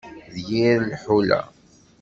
D yir lḥula.